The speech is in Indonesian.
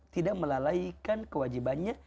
tidak melalaikan kewajibannya